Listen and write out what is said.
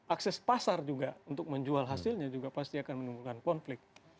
akses pasar juga untuk menjual hasilnya juga pasti akan menimbulkan konflik